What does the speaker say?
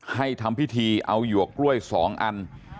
ให้ทำพิธีเอาหยวกกล้วย๒อัน